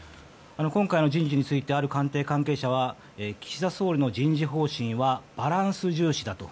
今回の人事についてある官邸関係者は岸田総理の人事方針はバランス重視だと。